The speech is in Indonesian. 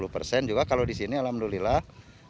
lima puluh persen juga kalau di sini alhamdulillah